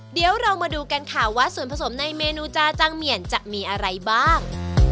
เดี๋ยวเรามาดูกันค่ะว่าส่วนผสมในเมนูจาจังเหมียนจะมีอะไรบ้าง